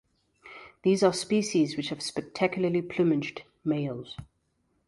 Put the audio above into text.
These are species which have spectacularly plumaged males.